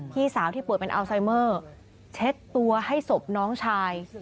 พี่สาวที่ป่วยเป็นอัลไซเมอร์เช็ดตัวให้ศพน้องชาย